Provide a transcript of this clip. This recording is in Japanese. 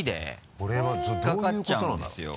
これはどういうことなんだろう？